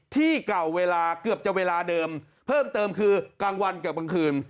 ที่เก่าเวลาเกือบจะเวลาเดิมเพิ่มเติมคือกลางวันเกือบกลางคืน